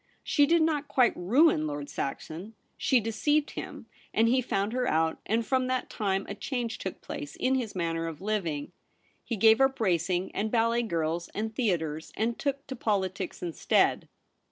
She did not quite ruin Lord Saxon. She deceived him, and he found her out, and from that time a change took place in his manner of living. He gave up racing and ballet girls and theatres, and took to politics instead.